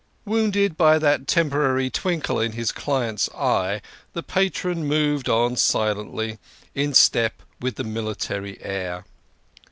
Wounded by that temporary twinkle in his client's eye, the patron moved on silently, in step with the military air.